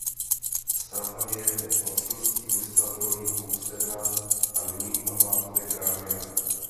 Stavba je ve vlastnictví města Dolní Poustevna a není památkově chráněna.